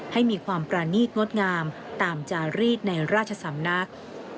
ให้มีความประนีตงดงามตามจารีสในราชสำนัก